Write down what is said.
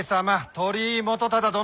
鳥居元忠殿。